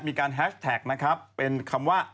แฮชแท็กนะครับเป็นคำว่า